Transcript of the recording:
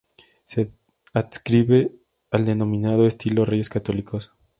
Se adscribe al denominado estilo Reyes Católicos.